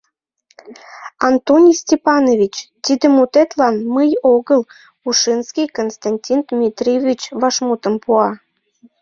— Антоний Степанович, тиде мутетлан мый огыл, Ушинский, Константин Дмитриевич, вашмутым пуа.